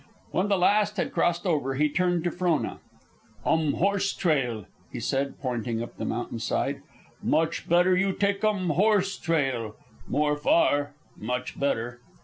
When the last had crossed over, he turned to Frona. "Um horse trail," he said, pointing up the mountain side. "Much better you take um horse trail. More far; much better."